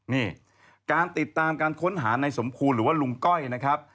นี่การติดตามการค้นหาในสมคูณหรือว่าลุงก้อยนะครับ